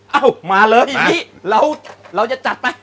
เอ้ามาเลยเราจะจัดไหม